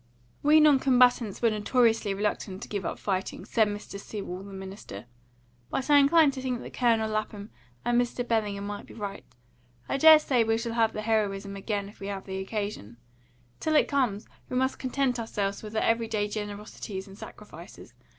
"We non combatants were notoriously reluctant to give up fighting," said Mr. Sewell, the minister; "but I incline to think Colonel Lapham and Mr. Bellingham may be right. I dare say we shall have the heroism again if we have the occasion. Till it comes, we must content ourselves with the every day generosities and sacrifices.